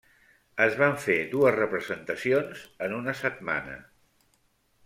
Es van fer dues representacions en una setmana.